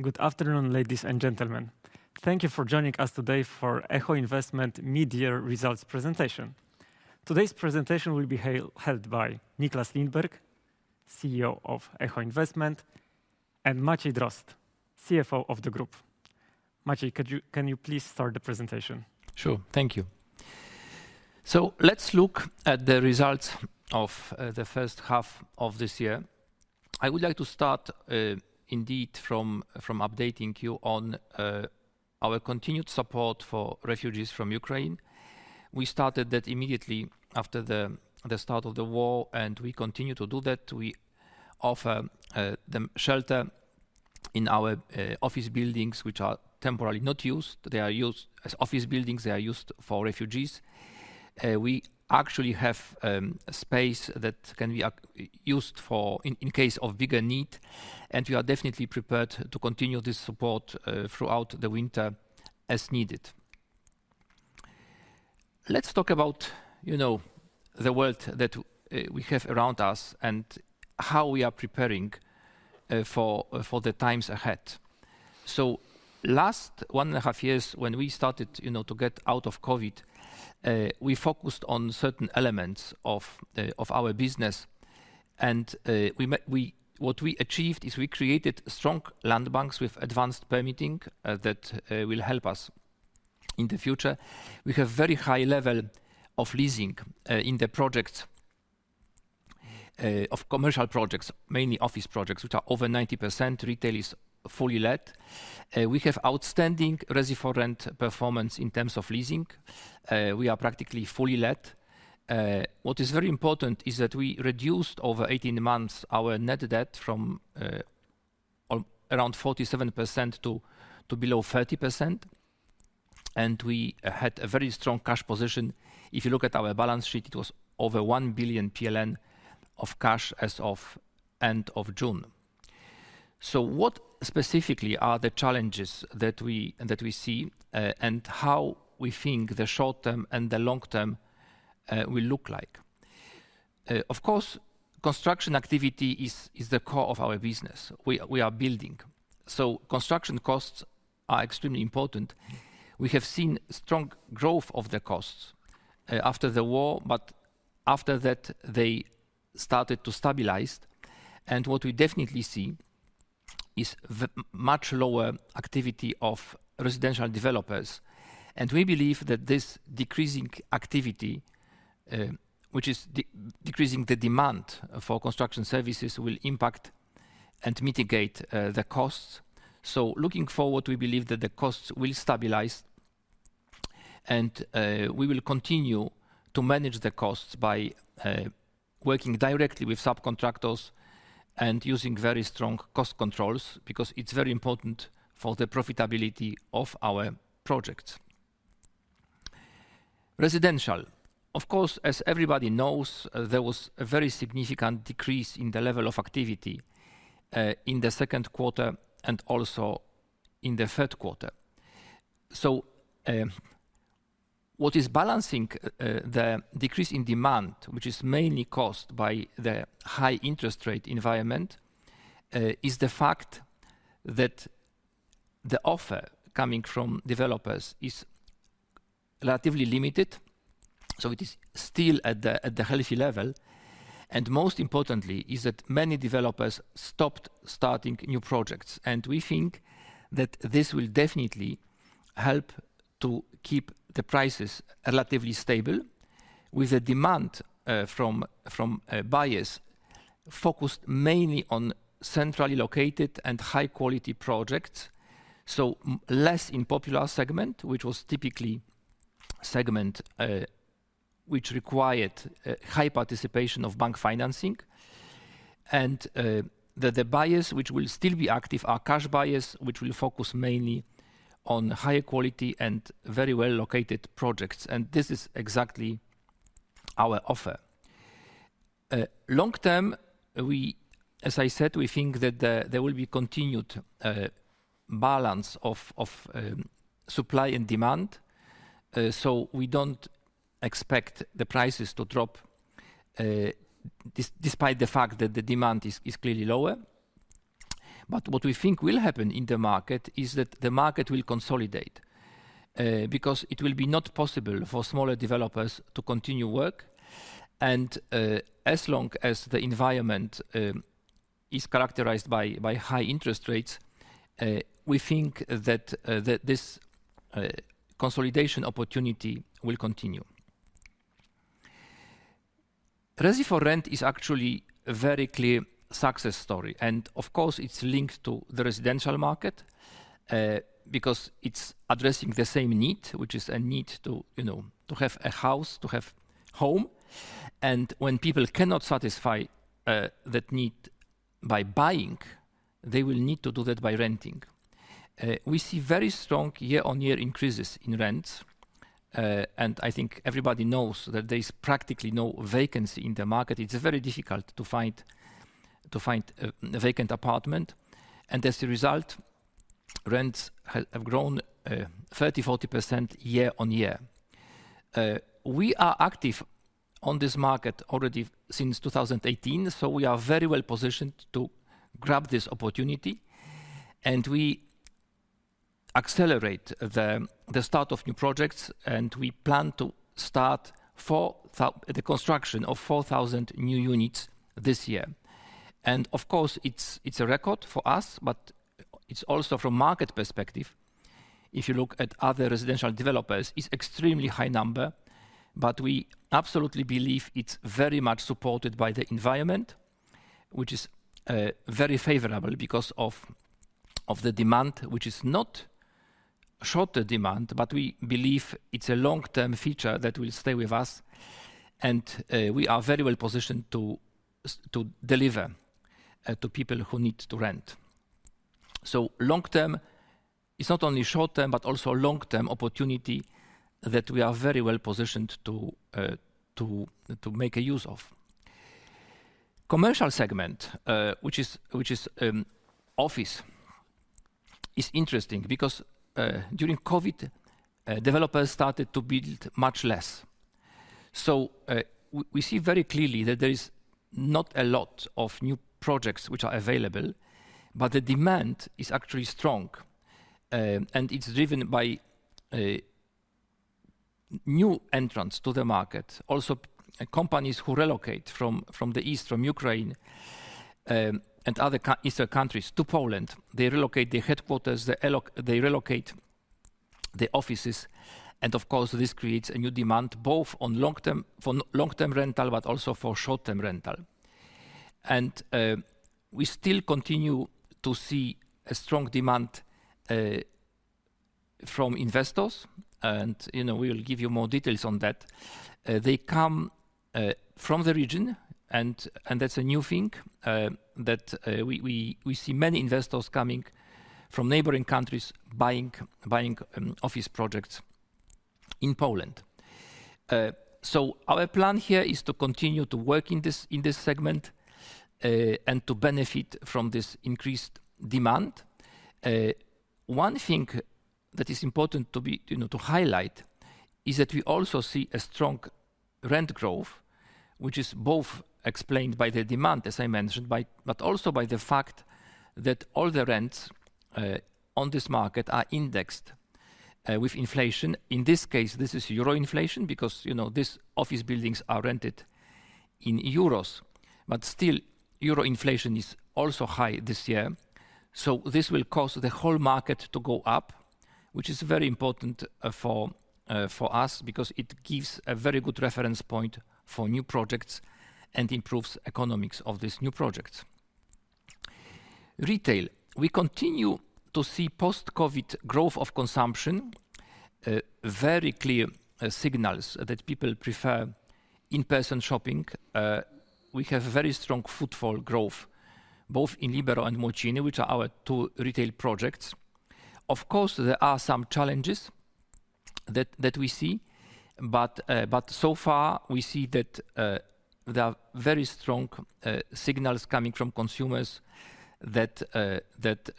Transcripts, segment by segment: Good afternoon, ladies and gentlemen. Thank you for joining us today for Echo Investment midyear results presentation. Today's presentation will be held by Nicklas Lindberg, CEO of Echo Investment, and Maciej Drozd, CFO of the group. Maciej, can you please start the presentation? Sure. Thank you. Let's look at the results of the first half of this year. I would like to start indeed from updating you on our continued support for refugees from Ukraine. We started that immediately after the start of the war, and we continue to do that. We offer them shelter in our office buildings, which are temporarily not used. They are used as office buildings. They are used for refugees. We actually have space that can be used in case of bigger need, and we are definitely prepared to continue this support throughout the winter as needed. Let's talk about you know the world that we have around us and how we are preparing for the times ahead. Last 1.5 years when we started, you know, to get out of COVID, we focused on certain elements of our business. What we achieved is we created strong land banks with advanced permitting, that will help us in the future. We have very high level of leasing in the projects of commercial projects, mainly office projects, which are over 90%. Retail is fully let. We have outstanding Resi4Rent performance in terms of leasing. We are practically fully let. What is very important is that we reduced over 18 months our net debt from around 47% to below 30%, and we had a very strong cash position. If you look at our balance sheet, it was over 1 billion PLN of cash as of end of June. What specifically are the challenges that we see, and how we think the short term and the long term will look like? Of course, construction activity is the core of our business. We are building. Construction costs are extremely important. We have seen strong growth of the costs after the war, but after that they started to stabilize. What we definitely see is the much lower activity of residential developers. We believe that this decreasing activity, which is decreasing the demand for construction services, will impact and mitigate the costs. Looking forward, we believe that the costs will stabilize and we will continue to manage the costs by working directly with subcontractors and using very strong cost controls, because it's very important for the profitability of our projects. Residential. Of course, as everybody knows, there was a very significant decrease in the level of activity in the Q2 and also in the Q3. What is balancing the decrease in demand, which is mainly caused by the high interest rate environment, is the fact that the offer coming from developers is relatively limited, so it is still at the healthy level. Most importantly, many developers stopped starting new projects. We think that this will definitely help to keep the prices relatively stable with the demand from buyers focused mainly on centrally located and high quality projects. Less in popular segment, which was the typical segment, which required high participation of bank financing. The buyers which will still be active are cash buyers, which will focus mainly on higher quality and very well located projects. This is exactly our offer. Long term, as I said, we think that there will be continued balance of supply and demand. We don't expect the prices to drop, despite the fact that the demand is clearly lower. What we think will happen in the market is that the market will consolidate, because it will be not possible for smaller developers to continue work. As long as the environment is characterized by high interest rates, we think that this consolidation opportunity will continue. Resi4Rent is actually a very clear success story, and of course, it's linked to the residential market, because it's addressing the same need, which is a need to, you know, to have a house, to have home. When people cannot satisfy that need by buying, they will need to do that by renting. We see very strong year-on-year increases in rents. And I think everybody knows that there is practically no vacancy in the market. It's very difficult to find a vacant apartment. As a result, rents have grown 30%-40% year-on-year. We are active on this market already since 2018, so we are very well positioned to grab this opportunity. We accelerate the start of new projects, and we plan to start the construction of 4,000 new units this year. Of course, it's a record for us, but it's also from market perspective, if you look at other residential developers, it's extremely high number. We absolutely believe it's very much supported by the environment, which is very favorable because of the demand, which is not short-term demand, but we believe it's a long-term feature that will stay with us, and we are very well positioned to deliver to people who need to rent. It's not only short-term, but also long-term opportunity that we are very well positioned to make use of. Commercial segment, which is office, is interesting because during COVID, developers started to build much less. We see very clearly that there is not a lot of new projects which are available, but the demand is actually strong. It's driven by a new entrance to the market. Companies who relocate from the east, from Ukraine, and other eastern countries to Poland. They relocate their headquarters, they relocate the offices, and of course, this creates a new demand, both on long-term, for long-term rental, but also for short-term rental. We still continue to see a strong demand from investors and, you know, we'll give you more details on that. They come from the region and that's a new thing that we see many investors coming from neighboring countries buying office projects in Poland. Our plan here is to continue to work in this segment and to benefit from this increased demand. One thing that is important, you know, to highlight is that we also see a strong rent growth, which is both explained by the demand, as I mentioned, but also by the fact that all the rents on this market are indexed with inflation. In this case, this is euro inflation because, you know, these office buildings are rented in euros. Still, euro inflation is also high this year, so this will cause the whole market to go up, which is very important for us because it gives a very good reference point for new projects and improves economics of these new projects. Retail. We continue to see post-COVID growth of consumption, very clear signals that people prefer in-person shopping. We have very strong footfall growth, both in Libero and Młociny, which are our two retail projects. Of course, there are some challenges that we see, but so far we see that there are very strong signals coming from consumers that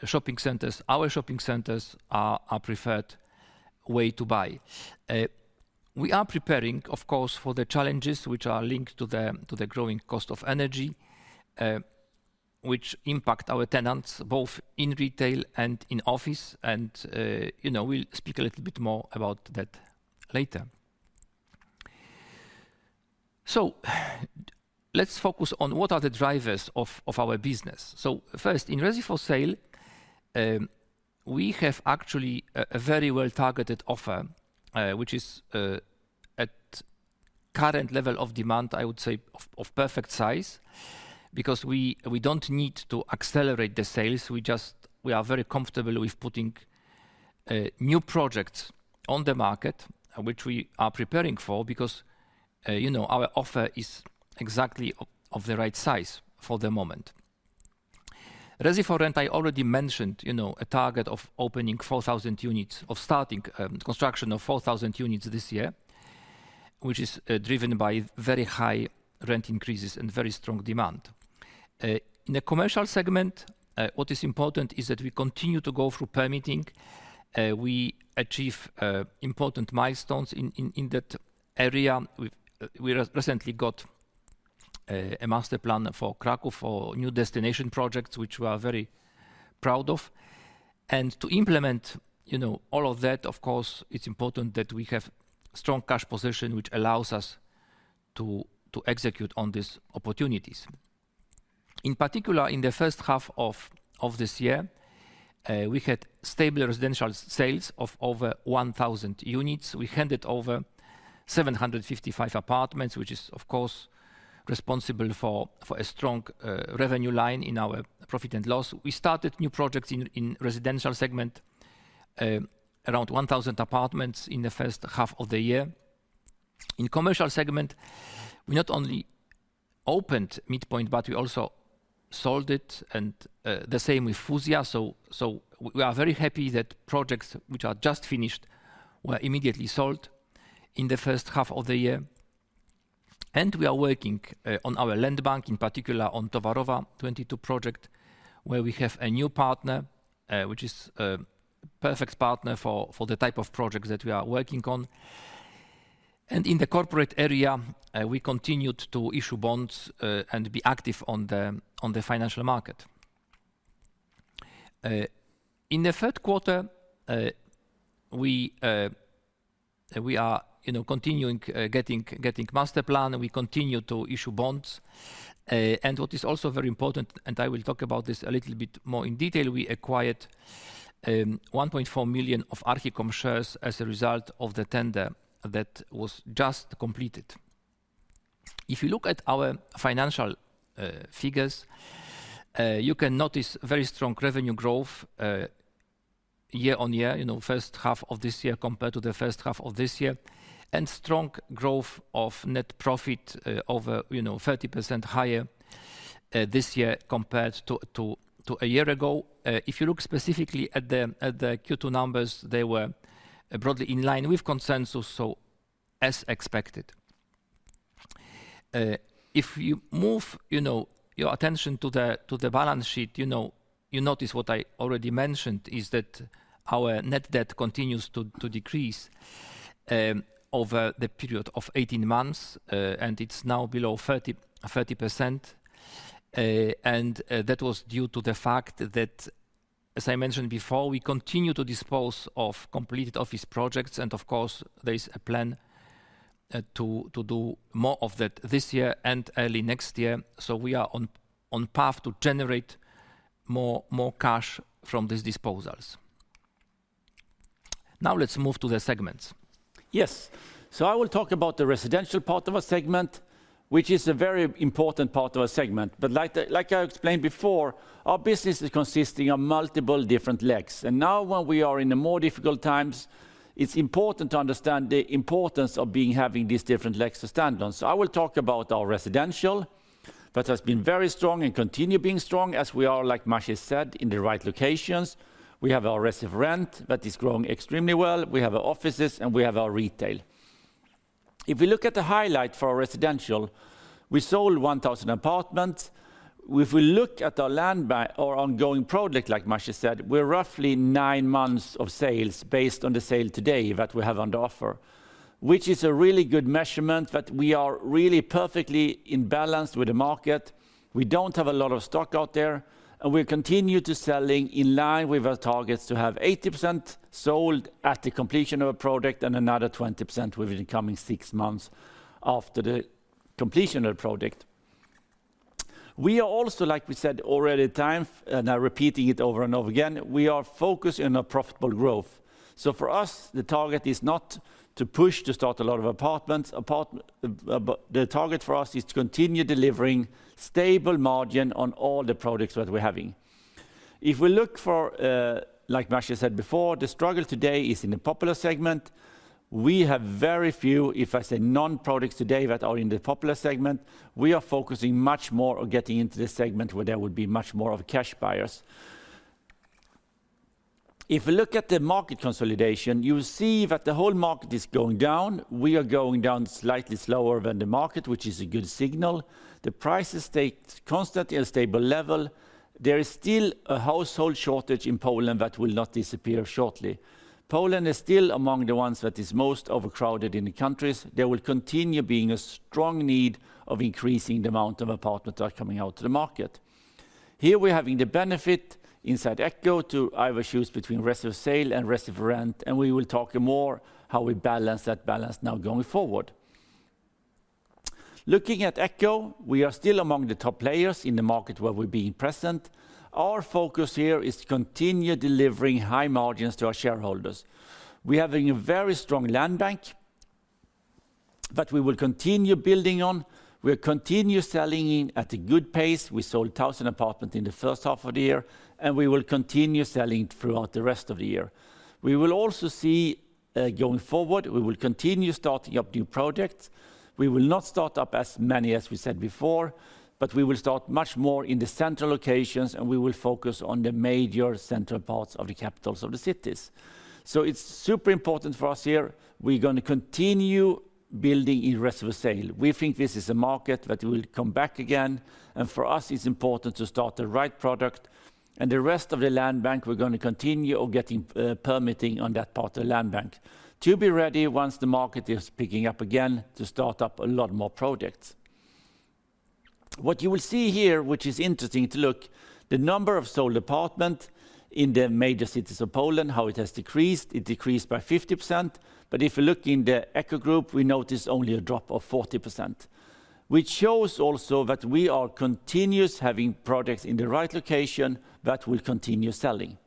shopping centers, our shopping centers are a preferred way to buy. We are preparing, of course, for the challenges which are linked to the growing cost of energy, which impact our tenants both in retail and in office and, you know, we'll speak a little bit more about that later. Let's focus on what are the drivers of our business. First, in Resi4Sale, we have actually a very well-targeted offer, which is, at current level of demand, I would say of perfect size because we don't need to accelerate the sales. We are very comfortable with putting new projects on the market, which we are preparing for because, you know, our offer is exactly of the right size for the moment. Resi for rent, I already mentioned, you know, a target of opening 4,000 units, of starting construction of 4,000 units this year, which is driven by very high rent increases and very strong demand. In the commercial segment, what is important is that we continue to go through permitting. We achieve important milestones in that area. We've recently got a master plan for Kraków, for new destination projects, which we are very proud of. To implement, you know, all of that, of course, it's important that we have strong cash position, which allows us to execute on these opportunities. In particular, in the first half of this year, we had stable residential sales of over 1,000 units. We handed over 755 apartments, which is of course responsible for a strong revenue line in our profit and loss. We started new projects in residential segment around 1,000 apartments in the first half of the year. In commercial segment, we not only opened MidPoint71, but we also sold it and the same with Fuzja. We are very happy that projects which are just finished were immediately sold in the first half of the year. We are working on our land bank, in particular on Towarowa 22 project, where we have a new partner, which is a perfect partner for the type of projects that we are working on. In the corporate area, we continued to issue bonds and be active on the financial market. In the Q3, we are, you know, continuing getting master plan. We continue to issue bonds. What is also very important, and I will talk about this a little bit more in detail, we acquired 1.4 million of Archicom shares as a result of the tender that was just completed. If you look at our financial figures, you can notice very strong revenue growth, year-on-year, you know, first half of this year compared to the first half of this year, and strong growth of net profit, over, you know, 30% higher, this year compared to a year ago. If you look specifically at the Q2 numbers, they were broadly in line with consensus, as expected. If you move, you know, your attention to the balance sheet, you know, you notice what I already mentioned is that our net debt continues to decrease over the period of 18 months, and it's now below 30%. That was due to the fact that, as I mentioned before, we continue to dispose of completed office projects, and of course, there is a plan to do more of that this year and early next year. We are on path to generate more cash from these disposals. Now let's move to the segments. Yes. I will talk about the residential part of our segment, which is a very important part of our segment. Like I explained before, our business is consisting of multiple different legs. Now when we are in the more difficult times, it's important to understand the importance of being, having these different legs to stand on. I will talk about our residential, that has been very strong and continue being strong as we are, like Maciej said, in the right locations. We have our Resi4Rent that is growing extremely well. We have our offices, and we have our retail. If we look at the highlight for our residential, we sold 1,000 apartments. If we look at our land bank or ongoing project, like Maciej said, we're roughly nine months of sales based on the sales today that we have on the offer, which is a really good measurement that we are really perfectly in balance with the market. We don't have a lot of stock out there, and we continue selling in line with our targets to have 80% sold at the completion of a project and another 20% within coming six months after the completion of the project. We are also, like we said already at times, and I'm repeating it over and over again, we are focused on a profitable growth. For us, the target is not to push to start a lot of apartments. The target for us is to continue delivering stable margin on all the products that we're having. If we look for, like Maciej said before, the struggle today is in the popular segment. We have very few, if I say none products today that are in the popular segment. We are focusing much more on getting into this segment where there would be much more of cash buyers. If we look at the market consolidation, you'll see that the whole market is going down. We are going down slightly slower than the market, which is a good signal. The prices stay constantly at a stable level. There is still a household shortage in Poland that will not disappear shortly. Poland is still among the ones that is most overcrowded in the countries. There will continue being a strong need of increasing the amount of apartments that are coming out to the market. Here we're having the benefit inside Echo to either choose between Resi4Sale and Resi4Rent, and we will talk more how we balance that now going forward. Looking at Echo, we are still among the top players in the market where we're being present. Our focus here is to continue delivering high margins to our shareholders. We are having a very strong land bank that we will continue building on. We'll continue selling in at a good pace. We sold 1,000 apartments in the first half of the year, and we will continue selling throughout the rest of the year. We will also see, going forward, we will continue starting up new projects. We will not start up as many as we said before, but we will start much more in the central locations, and we will focus on the major central parts of the capitals of the cities. It's super important for us here. We're gonna continue building in Resi sale. We think this is a market that will come back again. For us, it's important to start the right product. The rest of the land bank, we're gonna continue on getting permitting on that part of the land bank to be ready once the market is picking up again to start up a lot more projects. What you will see here, which is interesting to look, the number of sold apartment in the major cities of Poland, how it has decreased. It decreased by 50%. If you look in the Echo group, we notice only a drop of 40%, which shows also that we are continuously having products in the right location that will continue selling.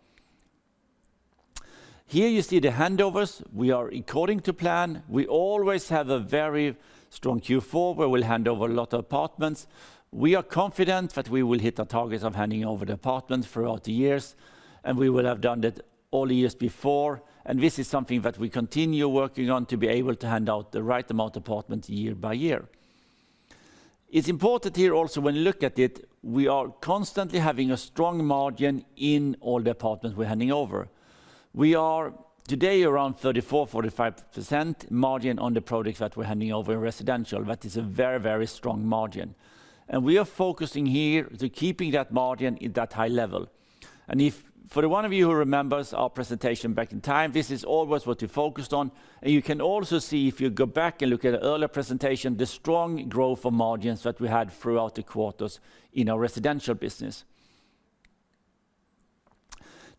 Here you see the handovers. We are according to plan. We always have a very strong Q4, where we'll hand over a lot of apartments. We are confident that we will hit our targets of handing over the apartments throughout the years, and we will have done that all the years before. This is something that we continue working on to be able to hand out the right amount of apartments year by year. It's important here also when you look at it, we are constantly having a strong margin in all the apartments we're handing over. We are today around 34%-45% margin on the products that we're handing over in residential. That is a very, very strong margin. We are focusing here to keeping that margin at that high level. If for the one of you who remembers our presentation back in time, this is always what we focused on. You can also see if you go back and look at an earlier presentation, the strong growth of margins that we had throughout the quarters in our residential business.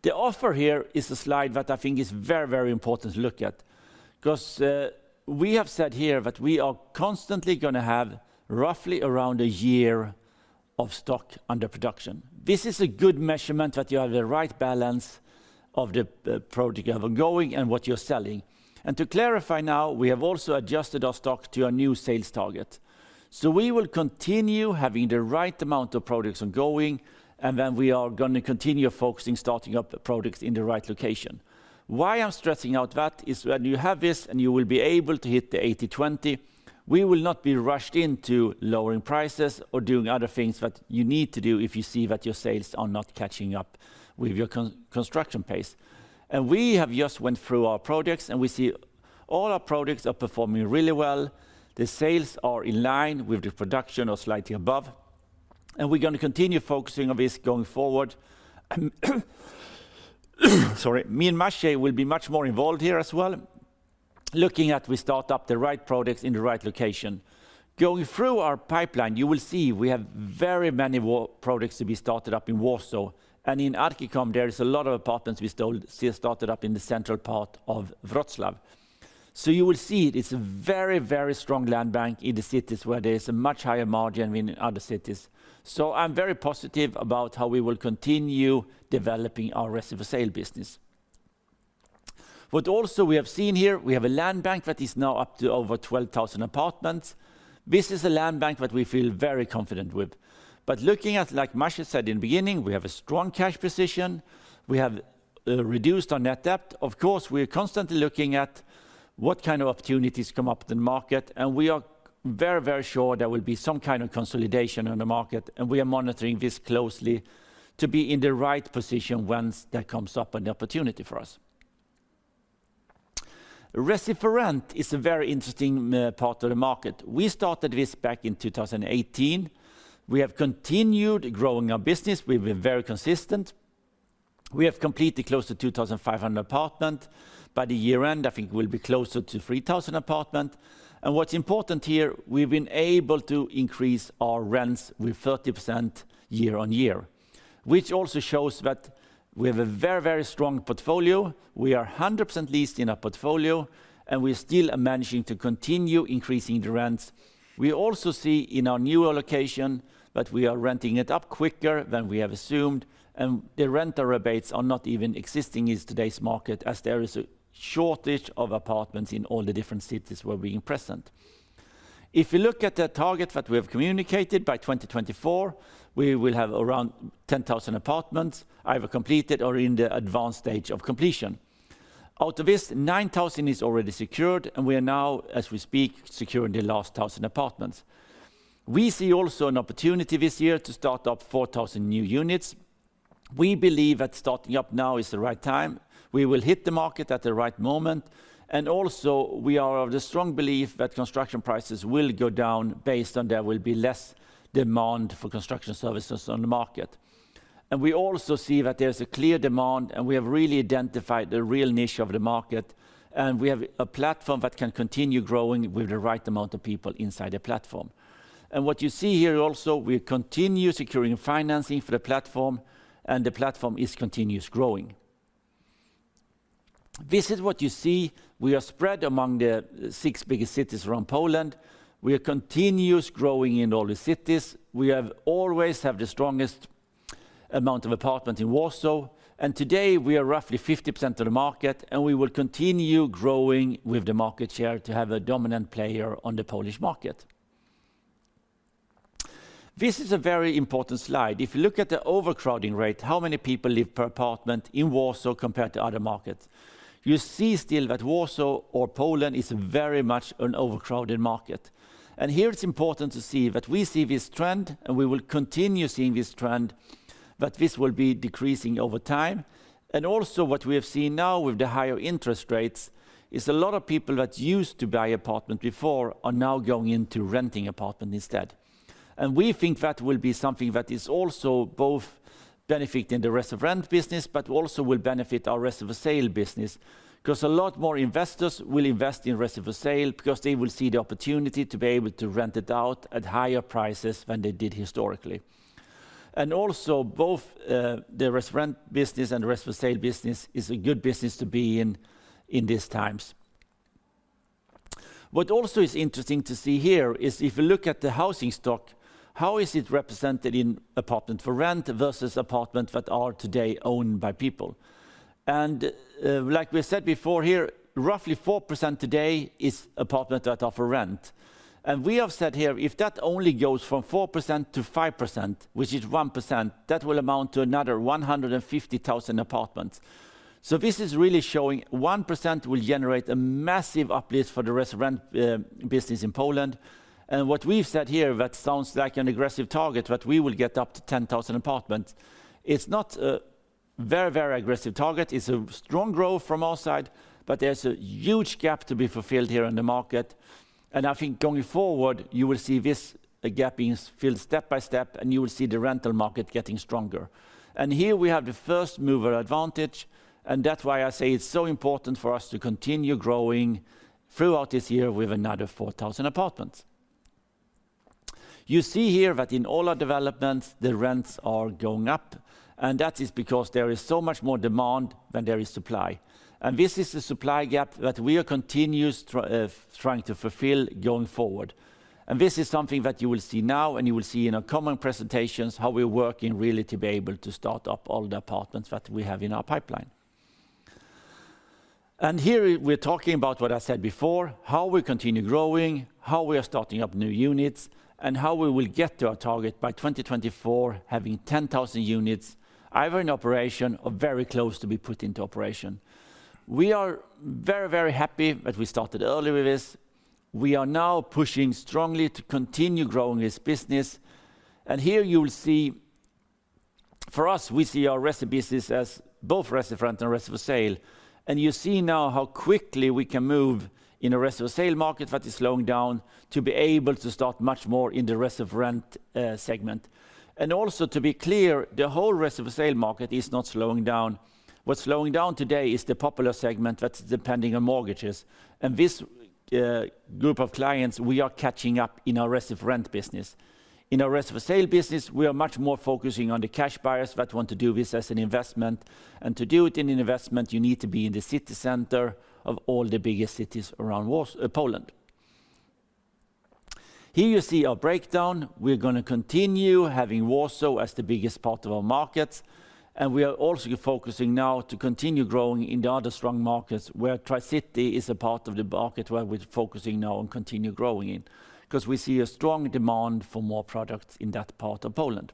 The offer here is a slide that I think is very, very important to look at because, we have said here that we are constantly gonna have roughly around a year of stock under production. This is a good measurement that you have the right balance of the project you have ongoing and what you're selling. To clarify now, we have also adjusted our stock to our new sales target. We will continue having the right amount of projects ongoing, and then we are gonna continue focusing starting up the projects in the right location. Why I'm stressing out that is when you have this and you will be able to hit the 80/20, we will not be rushed into lowering prices or doing other things that you need to do if you see that your sales are not catching up with your construction pace. We have just went through our projects, and we see all our projects are performing really well. The sales are in line with the production or slightly above, and we're gonna continue focusing on this going forward. Sorry. Me and Maciej will be much more involved here as well, looking at we start up the right projects in the right location. Going through our pipeline, you will see we have very many Warsaw projects to be started up in Warsaw. In Archicom, there is a lot of apartments we still see started up in the central part of Wrocław. You will see it's a very, very strong land bank in the cities where there is a much higher margin than in other cities. I'm very positive about how we will continue developing our Resi4Sale business. What also we have seen here, we have a land bank that is now up to over 12,000 apartments. This is a land bank that we feel very confident with. Looking at, like Maciej said in the beginning, we have a strong cash position. We have reduced our net debt. Of course, we're constantly looking at what kind of opportunities come up in the market, and we are very, very sure there will be some kind of consolidation in the market. We are monitoring this closely to be in the right position once that comes up an opportunity for us. Resi for rent is a very interesting part of the market. We started this back in 2018. We have continued growing our business. We've been very consistent. We have close to 2,500 apartments. By the year-end, I think we'll be closer to 3,000 apartments. What's important here, we've been able to increase our rents with 30% year-on-year, which also shows that we have a very, very strong portfolio. We are 100% leased in our portfolio, and we still are managing to continue increasing the rents. We also see in our newer location that we are renting it up quicker than we have assumed, and the renter rebates are not even existing in today's market as there is a shortage of apartments in all the different cities where we are present. If you look at the target that we have communicated, by 2024, we will have around 10,000 apartments either completed or in the advanced stage of completion. Out of this, 9,000 is already secured, and we are now, as we speak, securing the last 1,000 apartments. We see also an opportunity this year to start up 4,000 new units. We believe that starting up now is the right time. We will hit the market at the right moment. Also, we are of the strong belief that construction prices will go down based on there will be less demand for construction services on the market. We also see that there's a clear demand, and we have really identified the real niche of the market. We have a platform that can continue growing with the right amount of people inside the platform. What you see here also, we continue securing financing for the platform, and the platform is continuously growing. This is what you see. We are spread among the six biggest cities around Poland. We are continuously growing in all the cities. We always have the strongest amount of apartments in Warsaw. Today, we are roughly 50% of the market, and we will continue growing with the market share to have a dominant player on the Polish market. This is a very important slide. If you look at the overcrowding rate, how many people live per apartment in Warsaw compared to other markets. You see still that Warsaw or Poland is very much an overcrowded market. Here it's important to see that we see this trend, and we will continue seeing this trend, that this will be decreasing over time. Also what we have seen now with the higher interest rates is a lot of people that used to buy apartment before are now going into renting apartment instead. We think that will be something that is also both benefiting the Resi for rent business but also will benefit our Resi4Sale business. Because a lot more investors will invest in Resi4Sale because they will see the opportunity to be able to rent it out at higher prices than they did historically. Also both, the Resi for rent business and the Resi4Salebusiness is a good business to be in in these times. What also is interesting to see here is if you look at the housing stock, how is it represented in apartment for rent versus apartment that are today owned by people? Like we said before here, roughly 4% today is apartment that are for rent. We have said here, if that only goes from 4% to 5%, which is 1%, that will amount to another 150,000 apartments. This is really showing 1% will generate a massive uplift for the Resi4Rent business in Poland. What we've said here that sounds like an aggressive target, but we will get up to 10,000 apartments. It's not a very, very aggressive target. It's a strong growth from our side, but there's a huge gap to be fulfilled here in the market. I think going forward, you will see this gap being filled step by step, and you will see the rental market getting stronger. Here we have the first mover advantage, and that's why I say it's so important for us to continue growing throughout this year with another 4,000 apartments. You see here that in all our developments, the rents are going up, and that is because there is so much more demand than there is supply. This is the supply gap that we are continuously trying to fulfill going forward. This is something that you will see now, and you will see in our coming presentations how we're working really to be able to start up all the apartments that we have in our pipeline. Here we're talking about what I said before, how we continue growing, how we are starting up new units, and how we will get to our target by 2024, having 10,000 units either in operation or very close to be put into operation. We are very, very happy that we started early with this. We are now pushing strongly to continue growing this business. Here you will see for us, we see our Resi business as both Resi4Rent and Resi4Sale. You see now how quickly we can move in the Resi4Sale market that is slowing down to be able to start much more in the Resi4Rent segment. Also, to be clear, the whole Resi4Sale market is not slowing down. What's slowing down today is the popular segment that's depending on mortgages. This group of clients, we are catching up in our Resi4Rent business. In our Resi4Sale business, we are much more focusing on the cash buyers that want to do this as an investment. To do it in investment, you need to be in the city center of all the biggest cities around Poland. Here you see our breakdown. We're gonna continue having Warsaw as the biggest part of our markets, and we are also focusing now to continue growing in the other strong markets, where Tri-City is a part of the market where we're focusing now on continue growing in. 'Cause we see a strong demand for more products in that part of Poland.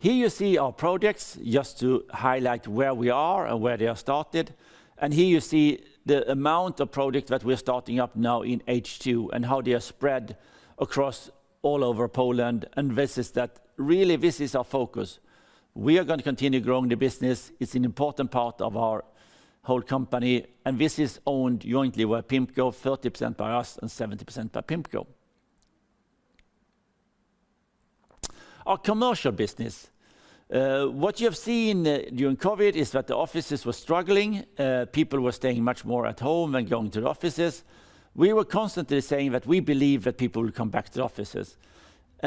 Here you see our projects, just to highlight where we are and where they are started. Here you see the amount of projects that we're starting up now in H2 and how they are spread across all over Poland, and this is that. Really, this is our focus. We are gonna continue growing the business. It's an important part of our whole company, and this is owned jointly with PIMCO, 30% by us and 70% by PIMCO. Our commercial business. What you have seen during COVID is that the offices were struggling. People were staying much more at home than going to the offices. We were constantly saying that we believe that people will come back to the offices.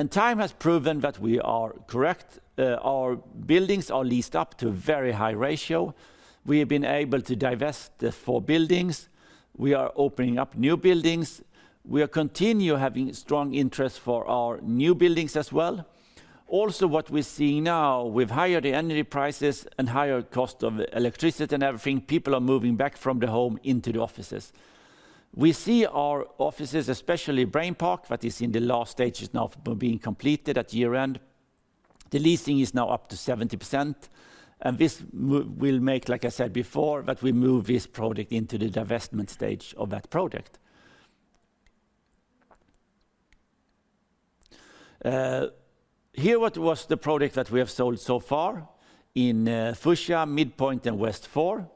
Time has proven that we are correct. Our buildings are leased up to a very high ratio. We have been able to divest the four buildings. We are opening up new buildings. We are continue having strong interest for our new buildings as well. Also, what we're seeing now with higher energy prices and higher cost of electricity and everything, people are moving back from the home into the offices. We see our offices, especially Brain Park, that is in the last stages now of being completed at year-end. The leasing is now up to 70%, and this will make, like I said before, that we move this project into the divestment stage of that project. Here what was the project that we have sold so far in Fuzja, MidPoint71, and West 4.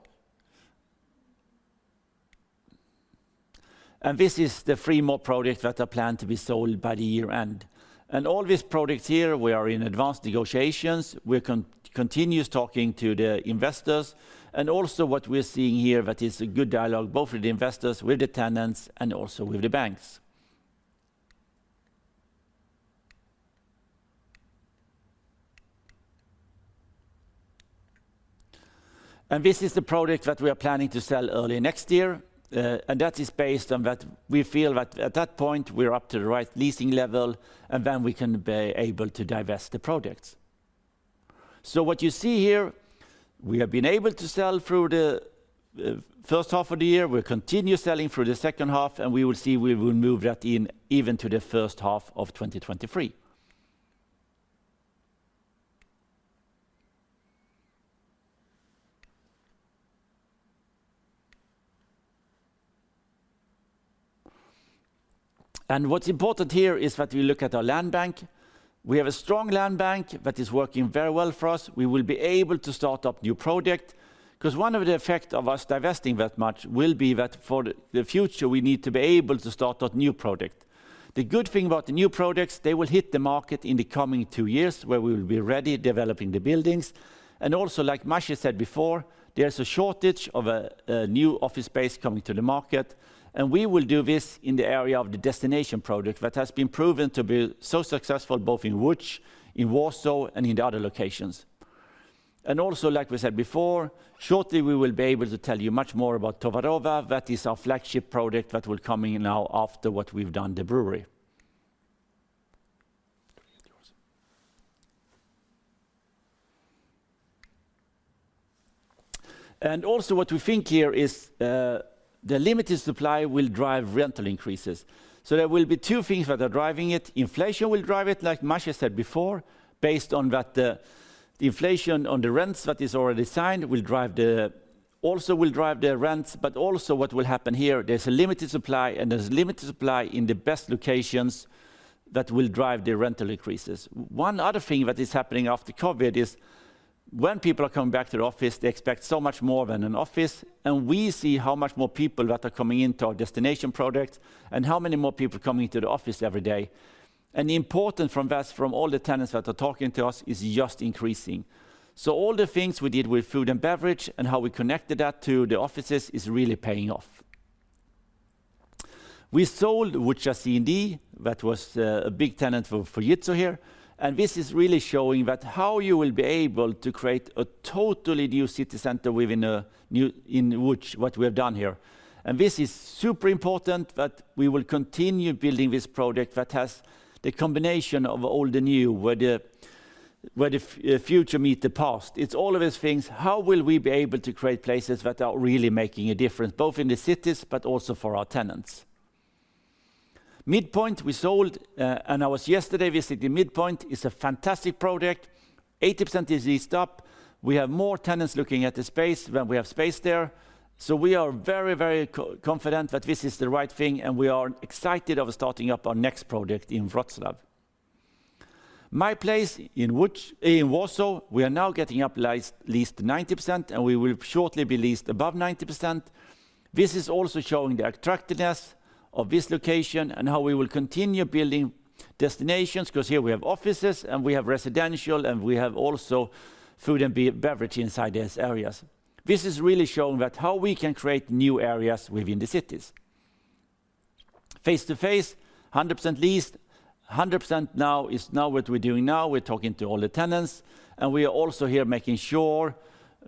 This is the three more projects that are planned to be sold by the year-end. All these projects here, we are in advanced negotiations. We're continuously talking to the investors. Also what we're seeing here that is a good dialogue, both with the investors, with the tenants, and also with the banks. This is the project that we are planning to sell early next year. That is based on that we feel that at that point we're up to the right leasing level, and then we can be able to divest the projects. What you see here, we have been able to sell through the first half of the year. We'll continue selling through the second half, and we will move that in even to the first half of 2023. What's important here is that we look at our land bank. We have a strong land bank that is working very well for us. We will be able to start up new project, because one of the effect of us divesting that much will be that for the future, we need to be able to start that new project. The good thing about the new projects, they will hit the market in the coming two years, where we will be ready developing the buildings. Like Maciej said before, there's a shortage of a new office space coming to the market, and we will do this in the area of the destination project that has been proven to be so successful, both in Łódź, in Warsaw, and in the other locations. Like we said before, shortly we will be able to tell you much more about Towarowa. That is our flagship project that will coming now after what we've done at the brewery. What we think here is, the limited supply will drive rental increases. There will be two things that are driving it. Inflation will drive it, like Maciej said before, based on that, the inflation on the rents that is already signed will drive the. Will drive the rents, but also what will happen here, there's a limited supply, and there's limited supply in the best locations that will drive the rental increases. One other thing that is happening after COVID is when people are coming back to the office, they expect so much more than an office. We see how much more people that are coming into our destination project and how many more people are coming to the office every day. The importance from that, from all the tenants that are talking to us, is just increasing. All the things we did with food and beverage and how we connected that to the offices is really paying off. We sold Fuzja C&D, that was a big tenant for Fujitsu here. This is really showing that how you will be able to create a totally new city center within in which what we have done here. This is super important that we will continue building this project that has the combination of old and new, where the future meet the past. It's all of these things, how will we be able to create places that are really making a difference, both in the cities, but also for our tenants. MidPoint71, we sold, and I was yesterday visiting MidPoint71. It's a fantastic project. 80% is leased up. We have more tenants looking at the space than we have space there. We are very confident that this is the right thing, and we are excited of starting up our next project in Wrocław. Moje Miejsce in Włochy. In Warsaw, we are now getting at least 90%, and we will shortly be at least above 90%. This is also showing the attractiveness of this location and how we will continue building destinations, 'cause here we have offices, and we have residential, and we have also food and beverage inside these areas. This is really showing how we can create new areas within the cities. Face2Face, 100% leased. 100% now is what we're doing now. We're talking to all the tenants, and we are also here making sure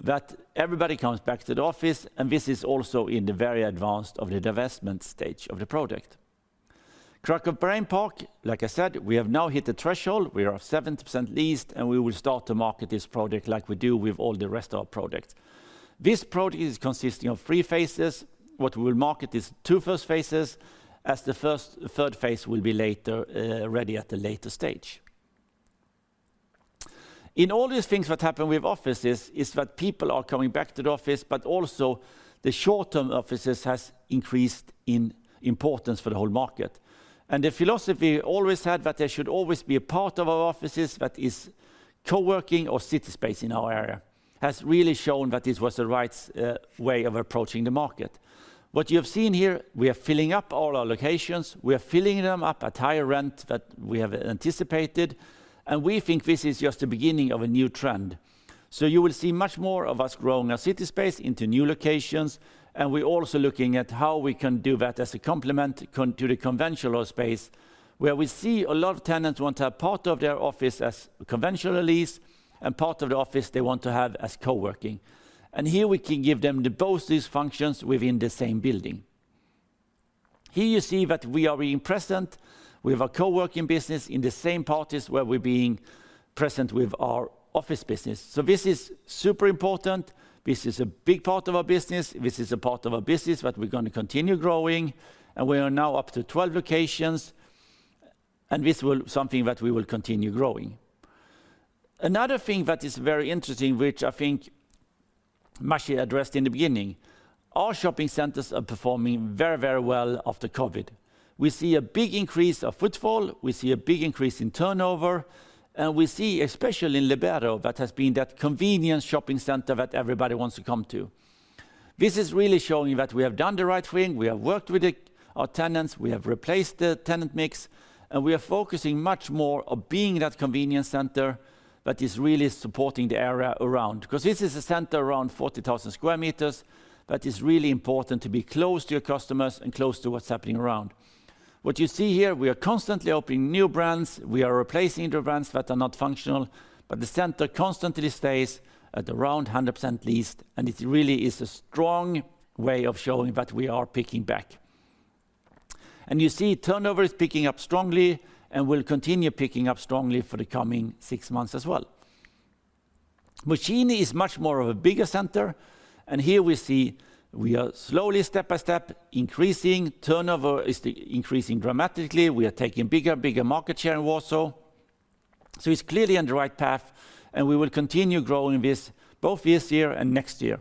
that everybody comes back to the office, and this is also in a very advanced stage of the divestment of the project. Kraków Brain Park, like I said, we have now hit the threshold. We are 70% leased, and we will start to market this project like we do with all the rest of our projects. This project is consisting of three phases. What we will market is two first phases. Third phase will be ready at a later stage. In all these things what happen with offices is that people are coming back to the office, but also the short-term offices has increased in importance for the whole market. The philosophy always had that there should always be a part of our offices that is co-working or CitySpace in our area, has really shown that this was the right way of approaching the market. What you have seen here, we are filling up all our locations. We are filling them up at higher rent that we have anticipated, and we think this is just the beginning of a new trend. You will see much more of us growing our CitySpace into new locations, and we're also looking at how we can do that as a complement to the conventional space, where we see a lot of tenants want to have part of their office as conventional lease and part of the office they want to have as co-working. Here we can give them the both these functions within the same building. Here you see that we are being present with our co-working business in the same properties where we're being present with our office business. This is super important. This is a big part of our business. This is a part of our business that we're gonna continue growing, and we are now up to 12 locations, something that we will continue growing. Another thing that is very interesting, which I think Maciej addressed in the beginning, our shopping centers are performing very, very well after COVID. We see a big increase of footfall, we see a big increase in turnover, and we see especially in Libero that has been that convenient shopping center that everybody wants to come to. This is really showing that we have done the right thing. We have worked with our tenants. We have replaced the tenant mix, and we are focusing much more on being that convenient center that is really supporting the area around. 'Cause this is a center around 40,000 sqm that is really important to be close to your customers and close to what's happening around. What you see here, we are constantly opening new brands. We are replacing the brands that are not functional, but the center constantly stays at around 100% leased, and it really is a strong way of showing that we are picking up. You see turnover is picking up strongly and will continue picking up strongly for the coming six months as well. Młociny is much more of a bigger center, and here we see we are slowly, step by step, increasing. Turnover is increasing dramatically. We are taking bigger market share in Warsaw. It's clearly on the right path, and we will continue growing this both this year and next year.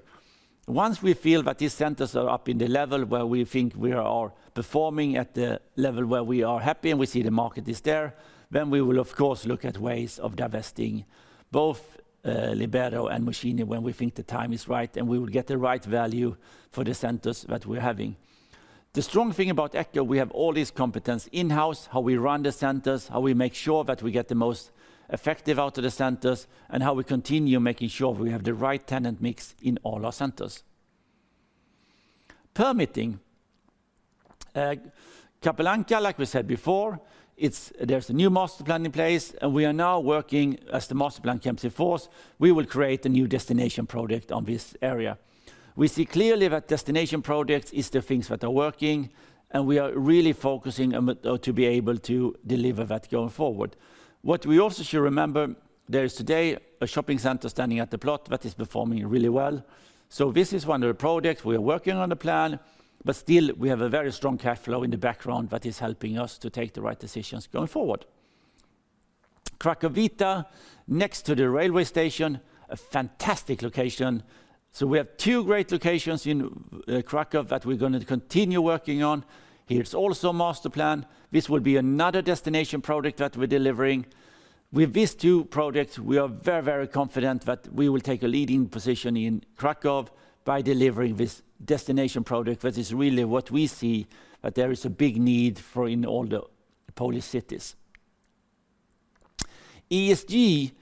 Once we feel that these centers are up in the level where we think we are performing at the level where we are happy, and we see the market is there, then we will of course look at ways of divesting both, Libero and Młociny when we think the time is right, and we will get the right value for the centers that we're having. The strong thing about Echo, we have all this competence in-house, how we run the centers, how we make sure that we get the most effective out of the centers, and how we continue making sure we have the right tenant mix in all our centers. Permitting. Kapelanka, like we said before, it's. There is a new master plan in place, and we are now working as the master plan comes in force. We will create a new destination project on this area. We see clearly that destination projects is the things that are working, and we are really focusing on to be able to deliver that going forward. What we also should remember. There is today a shopping center standing at the plot that is performing really well. This is one of the projects. We are working on the plan, but still we have a very strong cash flow in the background that is helping us to take the right decisions going forward. Cracovia next to the railway station, a fantastic location. We have two great locations in Kraków that we're gonna continue working on. Here's also a master plan. This will be another destination project that we're delivering. With these two projects, we are very, very confident that we will take a leading position in Kraków by delivering this destination project that is really what we see that there is a big need for in all the Polish cities. ESG,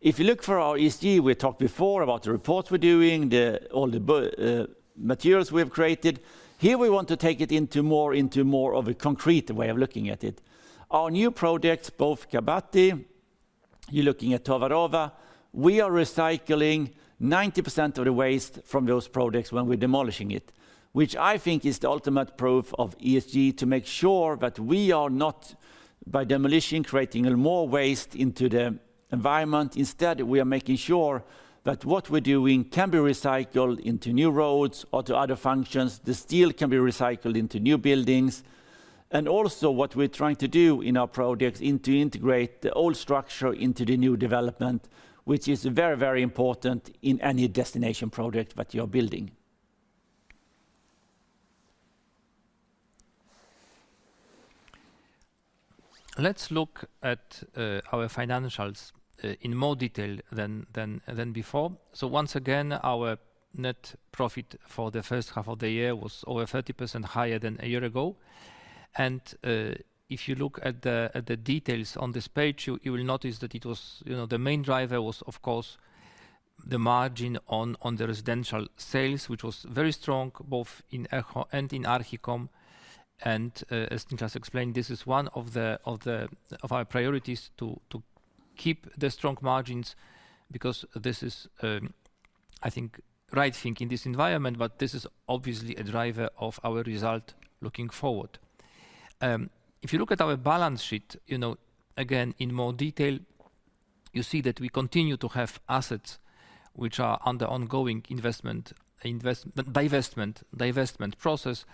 if you look for our ESG, we talked before about the reports we're doing, all the materials we have created. Here we want to take it into more of a concrete way of looking at it. Our new projects, both Kabaty, you're looking at Towarowa, we are recycling 90% of the waste from those projects when we're demolishing it, which I think is the ultimate proof of ESG to make sure that we are not, by demolition, creating more waste into the environment. Instead, we are making sure that what we're doing can be recycled into new roads or to other functions. The steel can be recycled into new buildings. What we're trying to do in our projects is to integrate the old structure into the new development, which is very, very important in any destination project that you're building. Let's look at our financials in more detail than before. Once again, our net profit for the first half of the year was over 30% higher than a year ago. If you look at the details on this page, you will notice that it was, you know, the main driver was, of course, the margin on the residential sales, which was very strong both in Echo and in Archicom. As Nicklas explained, this is one of our priorities to keep the strong margins because this is, I think, right thing in this environment. This is obviously a driver of our result looking forward. If you look at our balance sheet, you know, again, in more detail, you see that we continue to have assets which are under ongoing divestment process.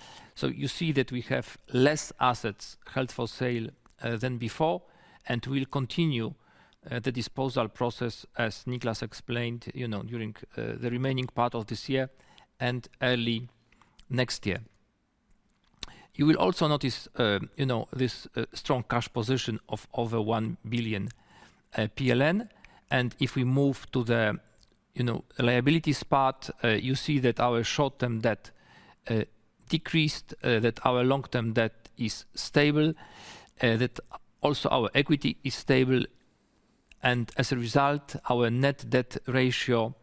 You see that we have less assets held for sale than before, and we'll continue the disposal process, as Nicklas explained, you know, during the remaining part of this year and early next year. You will also notice, you know, this strong cash position of over 1 billion PLN. If we move to the, you know, liabilities part, you see that our short-term debt decreased, that our long-term debt is stable, that also our equity is stable. As a result, our net debt ratio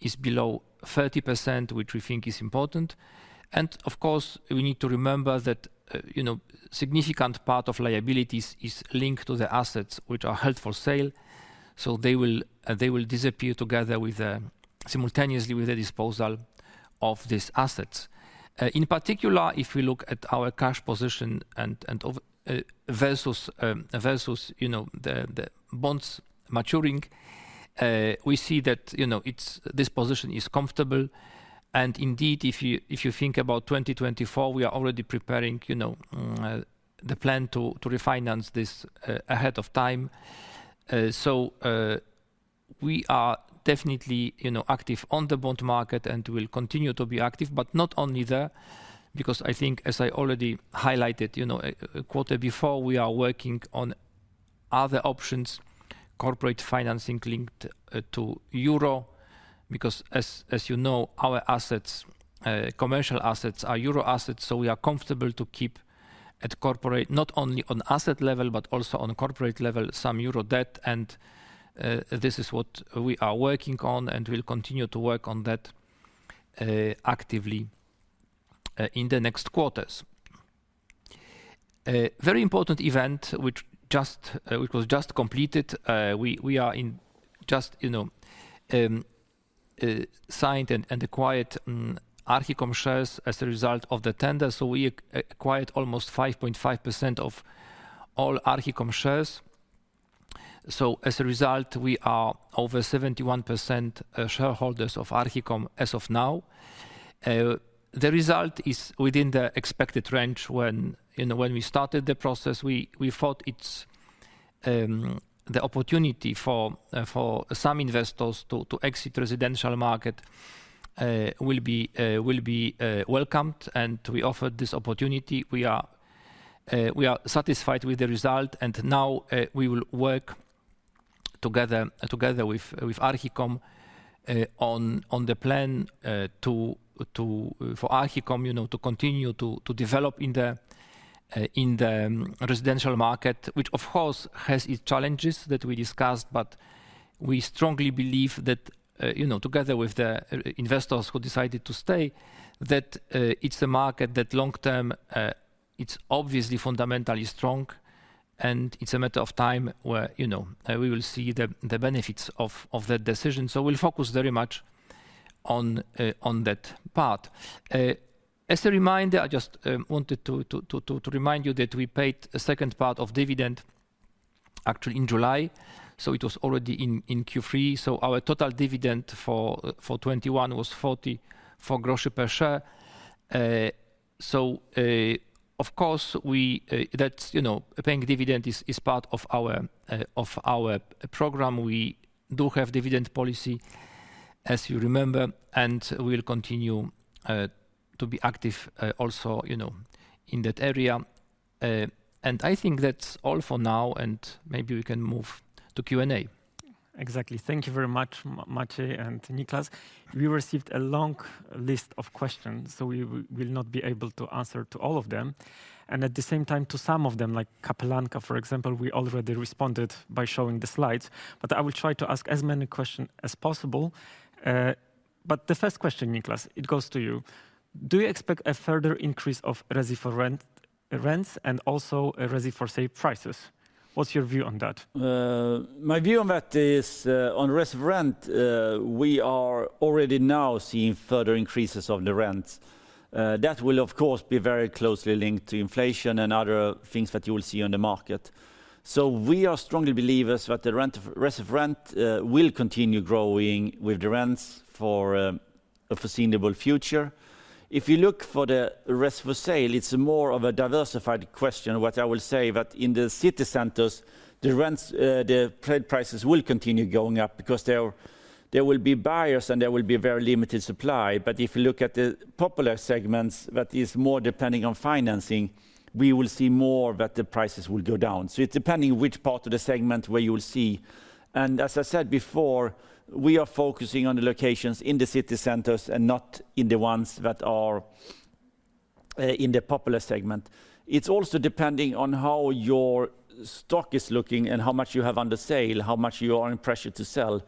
is below 30%, which we think is important. Of course, we need to remember that you know significant part of liabilities is linked to the assets which are held for sale. They will disappear simultaneously with the disposal of these assets. In particular, if we look at our cash position and versus the bonds maturing, we see that you know it's this position is comfortable. Indeed, if you think about 2024, we are already preparing you know the plan to refinance this ahead of time. We are definitely, you know, active on the bond market and will continue to be active, but not only there, because I think, as I already highlighted, you know, a quarter before, we are working on other options, corporate financing linked to euro, because as you know, our assets, commercial assets are euro assets, so we are comfortable to keep at corporate, not only on asset level, but also on corporate level, some euro debt. This is what we are working on, and we'll continue to work on that actively in the next quarters. Very important event which was just completed, we just signed and acquired Archicom shares as a result of the tender. We acquired almost 5.5% of all Archicom shares. As a result, we are over 71% shareholders of Archicom as of now. The result is within the expected range when, you know, when we started the process, we thought it's the opportunity for some investors to exit residential market will be welcomed, and we offered this opportunity. We are satisfied with the result, and now we will work together with Archicom on the plan to for Archicom, you know, to continue to develop in the residential market, which of course has its challenges that we discussed. We strongly believe that, you know, together with the investors who decided to stay, that it's a market that long term it's obviously fundamentally strong, and it's a matter of time where, you know, we will see the benefits of that decision. We'll focus very much on that part. As a reminder, I just wanted to remind you that we paid a second part of dividend actually in July, so it was already in Q3. Our total dividend for 2021 was 0.44 per share. Of course, that's, you know, paying dividend is part of our program. We do have dividend policy, as you remember, and we'll continue to be active also, you know, in that area. I think that's all for now, and maybe we can move to Q&A. Exactly. Thank you very much, Maciej and Nicklas. We received a long list of questions, so we will not be able to answer to all of them. At the same time to some of them, like Kapelanka for example, we already responded by showing the slides. I will try to ask as many question as possible. The first question, Nicklas, it goes to you. Do you expect a further increase of Resi4Rent rents and also a Resi4Sale prices? What's your view on that? My view on that is, on Resi4Rent, we are already now seeing further increases of the rents. That will of course be very closely linked to inflation and other things that you will see on the market. We are strongly believers that the rent of Resi4Rent will continue growing with the rents for a foreseeable future. If you look for the Resi4Sale, it's more of a diversified question. What I will say that in the city centers, the rents, the prices will continue going up because there will be buyers and there will be very limited supply. If you look at the popular segments that is more depending on financing, we will see more that the prices will go down. It's depending which part of the segment where you will see. As I said before, we are focusing on the locations in the city centers and not in the ones that are in the popular segment. It's also depending on how your stock is looking and how much you have under sale, how much you are in pressure to sell.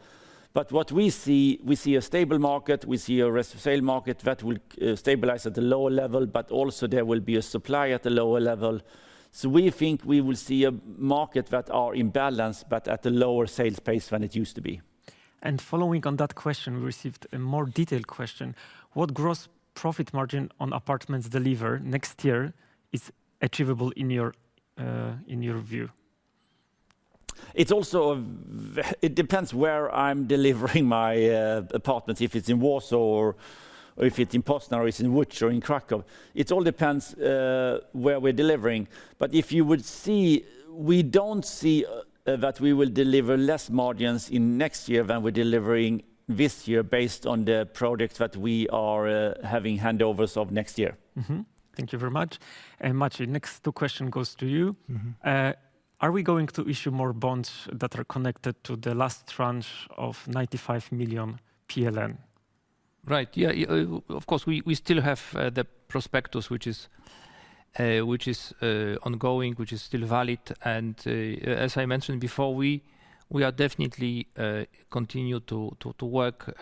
What we see, we see a stable market, we see a Resi4Sale market that will stabilize at a lower level, but also there will be a supply at a lower level. We think we will see a market that are in balance but at a lower sales pace than it used to be. Following on that question, we received a more detailed question. What gross profit margin on apartments deliver next year is achievable in your view? It depends where I'm delivering my apartments. If it's in Warsaw or if it's in Poznań or it's in Łódź or in Kraków. It all depends where we're delivering. If you would see, we don't see that we will deliver less margins in next year than we're delivering this year based on the products that we are having handovers of next year. Thank you very much. Maciej, next two question goes to you. Mm-hmm. Are we going to issue more bonds that are connected to the last tranche of 95 million PLN? Right. Yeah, of course, we still have the prospectus, which is ongoing, which is still valid. As I mentioned before, we are definitely continue to work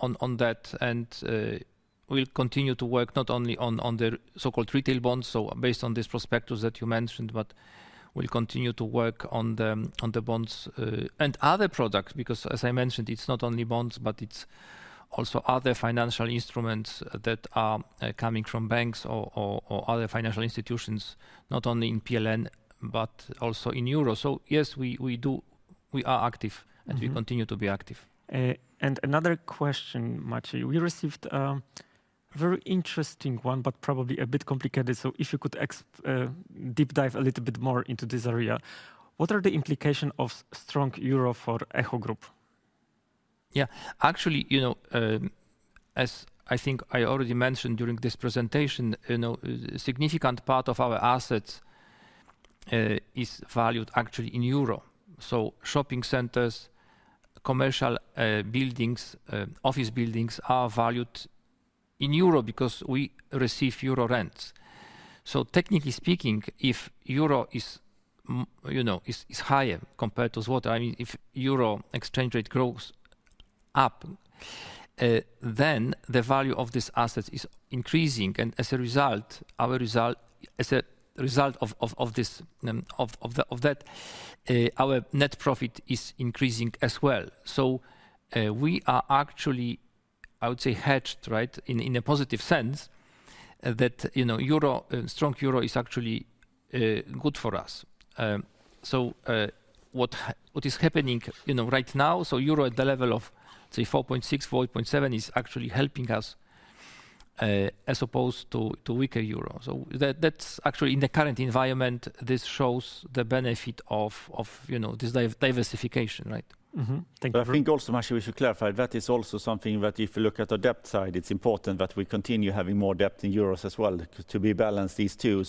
on that and we'll continue to work not only on the so-called retail bonds, so based on this prospectus that you mentioned, but we'll continue to work on the bonds and other products. Because as I mentioned, it's not only bonds, but it's also other financial instruments that are coming from banks or other financial institutions, not only in PLN, but also in euro. Yes, we do. We are active. Mm-hmm We continue to be active. Another question, Maciej. We received a very interesting one, but probably a bit complicated. If you could deep dive a little bit more into this area. What are the implications of strong euro for Echo Investment? Yeah. Actually, you know, as I think I already mentioned during this presentation, you know, a significant part of our assets is valued actually in euro. Shopping centers, commercial buildings, office buildings are valued in euro because we receive euro rents. Technically speaking, if euro is higher compared to zloty, I mean, if euro exchange rate goes up, then the value of this asset is increasing and as a result of that, our net profit is increasing as well. We are actually, I would say, hedged, right, in a positive sense, that you know, strong euro is actually good for us. What is happening, you know, right now, so euro at the level of, say, 4.6-4.7 is actually helping us, as opposed to weaker euro. That's actually in the current environment. This shows the benefit of, you know, this diversification, right? Thank you. I think also, Maciej, we should clarify that is also something that if you look at the debt side, it's important that we continue having more debt in euros as well to balance these two.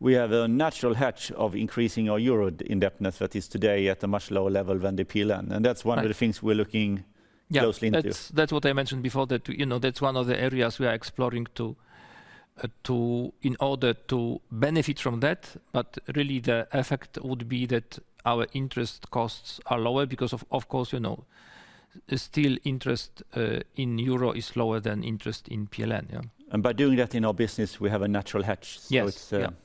We have a natural hedge of increasing our euro-denominated net debt that is today at a much lower level than the PLN. That's one of the things we're looking closely into. Yeah, that's what I mentioned before, that, you know, that's one of the areas we are exploring in order to benefit from that. Really the effect would be that our interest costs are lower because of course, you know, still interest in euro is lower than interest in PLN, yeah. By doing that in our business, we have a natural hedge. Yes. Yeah. It's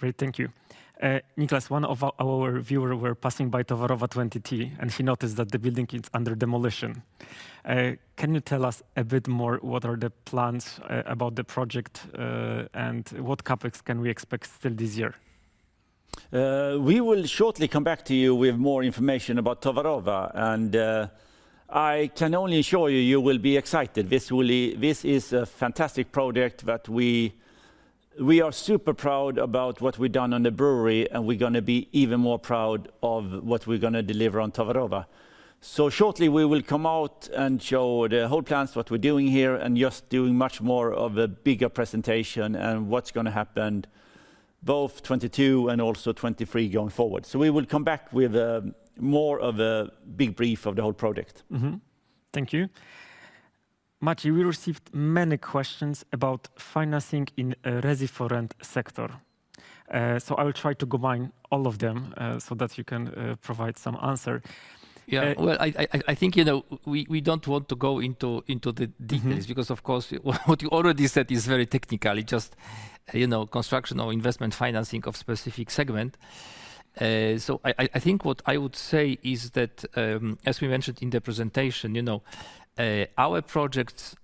Great, thank you. Nicklas, one of our viewers was passing by Towarowa 22, and he noticed that the building is under demolition. Can you tell us a bit more what are the plans about the project, and what CapEx can we expect still this year? We will shortly come back to you with more information about Towarowa 22. I can only assure you will be excited. This is a fantastic project that we are super proud about what we've done on Browary Warszawskie, and we're gonna be even more proud of what we're gonna deliver on Towarowa 22. Shortly we will come out and show the whole plans, what we're doing here, and just doing much more of a bigger presentation and what's gonna happen both 2022 and also 2023 going forward. We will come back with more of a big brief of the whole project. Mm-hmm. Thank you. Maciej, we received many questions about financing in Resi4Rent sector. I will try to combine all of them so that you can provide some answer. Yeah. Well, I think, you know, we don't want to go into the details. Mm-hmm Because of course, what you already said is very technical. It just, you know, construction or investment financing of specific segment. I think what I would say is that, as we mentioned in the presentation, you know, our projects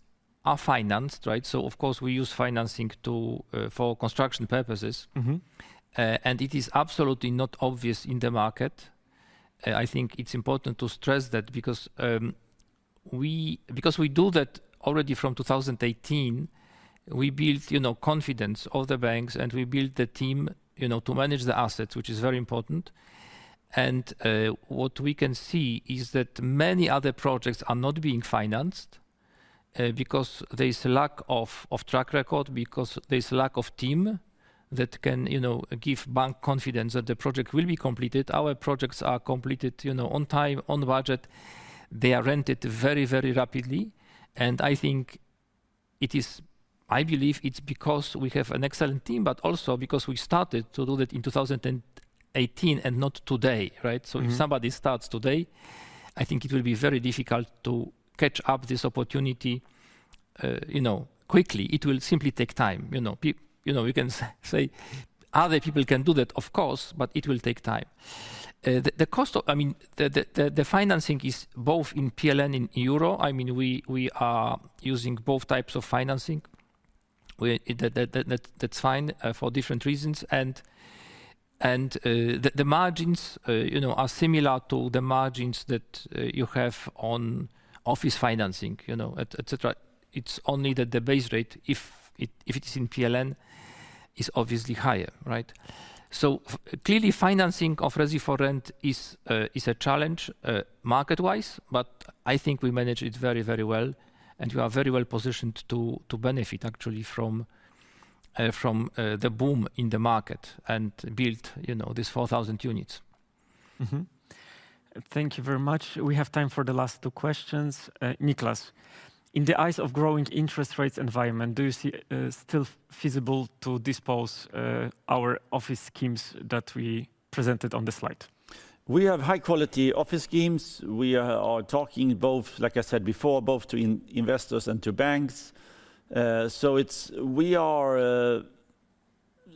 are financed, right? Of course we use financing for construction purposes. Mm-hmm. It is absolutely not obvious in the market. I think it's important to stress that because we do that already from 2018, we built, you know, confidence of the banks, and we built the team, you know, to manage the assets, which is very important. What we can see is that many other projects are not being financed because there is lack of track record, because there's lack of team that can, you know, give bank confidence that the project will be completed. Our projects are completed, you know, on time, on budget. They are rented very, very rapidly, and I think it is. I believe it's because we have an excellent team, but also because we started to do that in 2018 and not today, right? Mm-hmm. If somebody starts today, I think it will be very difficult to catch up this opportunity quickly. It will simply take time. You can say other people can do that, of course, but it will take time. I mean, the financing is both in PLN and euro. I mean, we are using both types of financing. That's fine for different reasons. The margins you know are similar to the margins that you have on office financing, you know, et cetera. It's only that the base rate, if it is in PLN, is obviously higher, right? Clearly, financing of Resi4Rent is a challenge market-wise, but I think we manage it very, very well. We are very well positioned to benefit actually from the boom in the market and build, you know, these 4,000 units. Mm-hmm. Thank you very much. We have time for the last two questions. Nicklas, in light of the growing interest rate environment, do you see still feasible to dispose our office schemes that we presented on the slide? We have high quality office schemes. We are talking both, like I said before, both to institutional investors and to banks. We are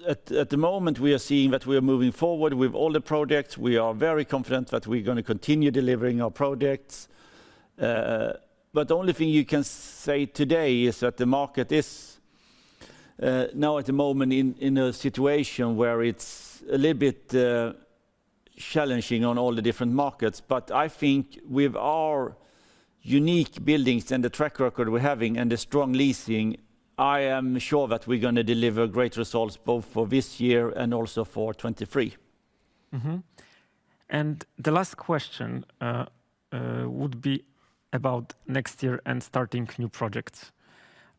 at the moment seeing that we are moving forward with all the projects. We are very confident that we're gonna continue delivering our projects. The only thing you can say today is that the market is now at the moment in a situation where it's a little bit challenging on all the different markets. I think with our unique buildings and the track record we're having and the strong leasing, I am sure that we're gonna deliver great results both for this year and also for 2023. The last question would be about next year and starting new projects.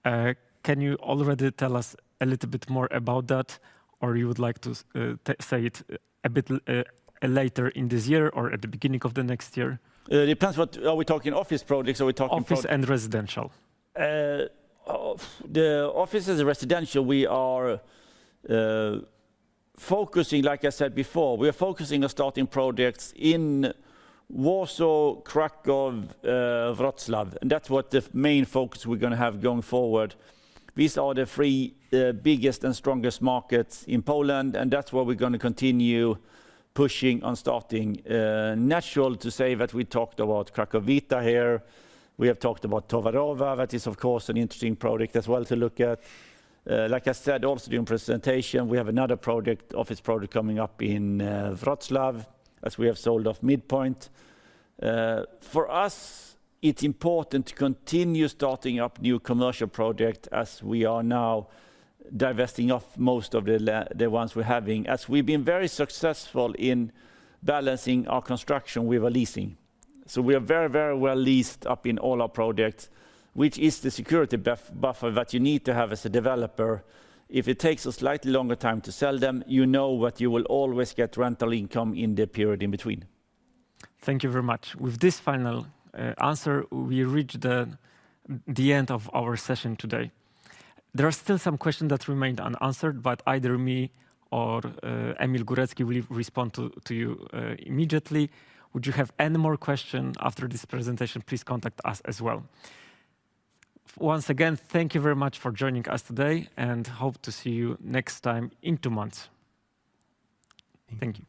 Can you already tell us a little bit more about that? Or you would like to say it a bit later in this year or at the beginning of the next year? It depends what. Are we talking office projects? Office and residential. The office and residential, we are focusing on starting projects in Warsaw, Kraków, Wrocław, and that's what the main focus we're gonna have going forward. These are the three biggest and strongest markets in Poland, and that's where we're gonna continue pushing on starting. Natural to say that we talked about Cracovia here. We have talked about Towarowa. That is of course an interesting project as well to look at. Like I said also during presentation, we have another project, office project coming up in Wrocław, as we have sold off MidPoint71. For us, it's important to continue starting up new commercial project as we are now divesting of most of the ones we're having. As we've been very successful in balancing our construction with our leasing. We are very, very well leased up in all our projects, which is the security buffer that you need to have as a developer. If it takes a slightly longer time to sell them, you know that you will always get rental income in the period in between. Thank you very much. With this final answer, we reach the end of our session today. There are still some questions that remained unanswered, but either me or Emil Górecki will respond to you immediately. Would you have any more question after this presentation, please contact us as well. Once again, thank you very much for joining us today and hope to see you next time in two months. Thank you.